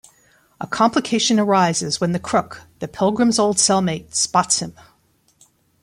A complication arises when the crook, the Pilgrim's old cellmate, spots him.